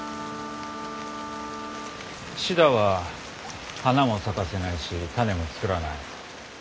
シダは花も咲かせないし種も作らない。